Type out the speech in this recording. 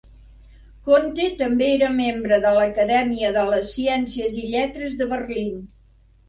Conte també era membre de l'Acadèmia de les ciències i lletres de Berlín.